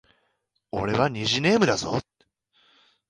俺は虹ネームだぞ